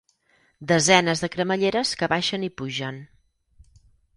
Desenes de cremalleres que baixen i pugen.